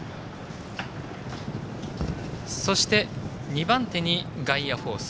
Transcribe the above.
そして、２番手にガイアフォース。